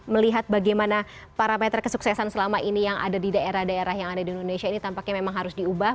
melihat bagaimana parameter kesuksesan selama ini yang ada di daerah daerah yang ada di indonesia ini tampaknya memang harus diubah